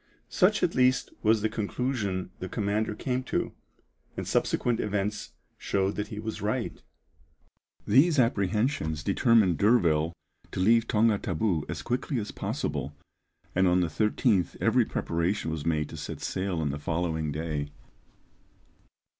Such at least was the conclusion the commander came to, and subsequent events showed that he was right. These apprehensions determined D'Urville to leave Tonga Tabou as quickly as possible, and on the 13th every preparation was made to set sail on the following day.